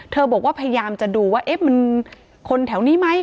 บอกว่าพยายามจะดูว่าเอ๊ะมันคนแถวนี้ไหม